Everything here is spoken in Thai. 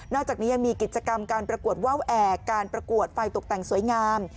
อกจากนี้ยังมีกิจกรรมการประกวดว่าวแอร์การประกวดไฟตกแต่งสวยงาม